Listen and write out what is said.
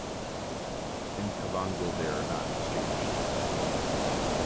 In Kavango, they are not exchanged.